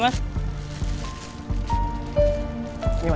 mas ini dia